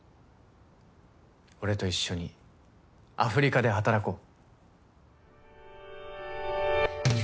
俺と一緒にアフリカで働こう。